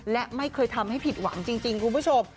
และไม่เคยทำให้ผิดหวังจริงคุณผู้ชม